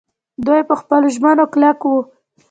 دوی په خپلو ژمنو کلک وو.